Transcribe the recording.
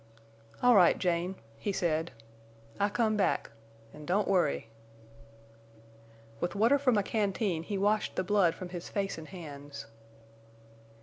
"All right, Jane," he said. "I come back. An' don't worry." With water from a canteen he washed the blood from his face and hands.